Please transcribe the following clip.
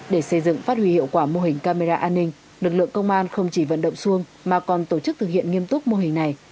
để xây dựng phát huy hiệu quả mô hình camera an ninh lực lượng công an không chỉ vận động xuông mà còn tổ chức thực hiện nghiêm túc mô hình này